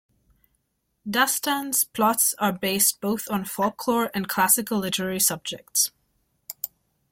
Dastan's plots are based both on folklore and classical literary subjects.